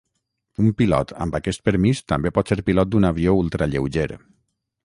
Un pilot amb aquest permís també pot ser pilot d'un avió ultralleuger.